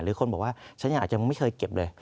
หรือคนบอกว่าฉันอาจจะไม่เคยเก็บเลย